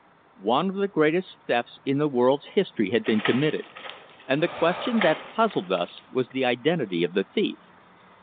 One of the greatest thefts in the world's history had been committed, and the question that puzzled us was the identity of the thief.